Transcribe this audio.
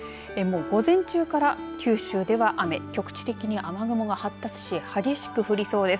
午前中から九州では雨局地的に雨雲が発達し激しく降りそうです。